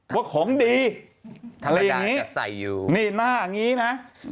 ว่าของดีอะไรอย่างนี้หน้าอย่างนี้นะ